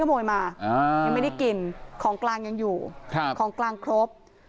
ขโมยมายังไม่ได้กินของกลางยังอยู่ของกลางครบ